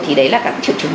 thì đấy là các triệu chứng